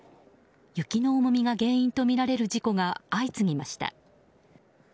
雪の重みが原因とみられる事故が相次ぎました。